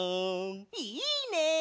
いいね！